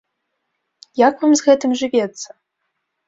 Як вам з гэтым жывецца?